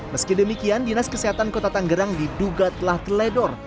meski demikian dinas kesehatan kota tanggerang diduga telah teledor